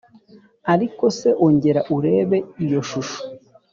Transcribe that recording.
ariko se, ongera urebe iyo shusho.